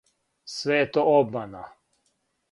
Све је то обмана.